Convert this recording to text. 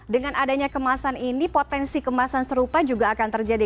dengan adanya kemasan ini potensi kemasan serupa juga akan terjadi